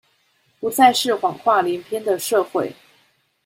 不再是謊話連篇的社會